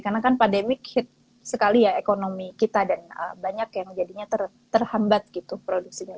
karena kan pandemic hit sekali ya ekonomi kita dan banyak yang jadinya terhambat gitu produksinya